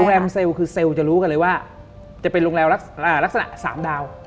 แรมเซลล์คือเซลล์จะรู้กันเลยว่าจะเป็นโรงแรมลักษณะ๓ดาว